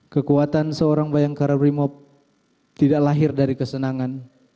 kekuatan seorang bayang karabrimo tidak lahir dari kesenangan